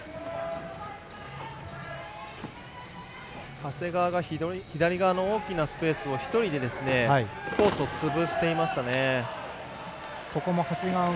長谷川が左側の大きなスペースを１人でコースを潰していましたね。